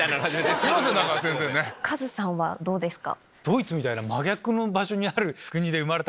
カズさんはどうですか？